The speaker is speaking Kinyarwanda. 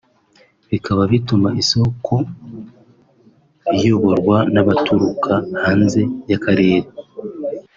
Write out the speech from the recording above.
bikaba bituma isoko riyoborwa n’abaturuka hanze y’akarere